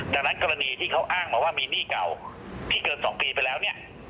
ดังนั้นกรณีที่เขาอ้างมาว่ามีหนี้เก่าที่เกิน๒ปีไปแล้วเนี่ย